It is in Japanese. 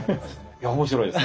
いや面白いです。